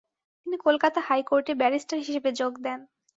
তিনি কলকাতা হাইকোর্টে ব্যারিস্টার হিসেবে যোগ দেন।